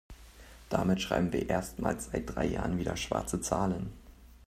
Damit schreiben wir erstmals seit drei Jahren wieder schwarze Zahlen.